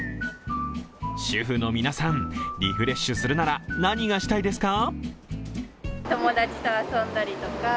主婦の皆さん、リフレッシュするなら何がしたいですか？